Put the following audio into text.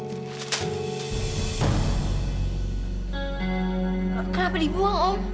kenapa dibuang om